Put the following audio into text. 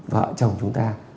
vợ chồng chúng ta